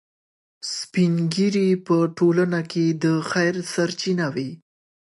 سپین ږیري په ټولنه کې د خیر سرچینه وي.